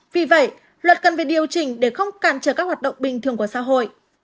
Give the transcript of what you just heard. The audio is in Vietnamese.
vì vậy luật cần phải điều chỉnh để không cản trở các hoạt động bình thường của xã hội